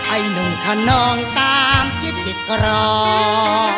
ไอหนุ่งท่านน้องตามจิตจิตกรอง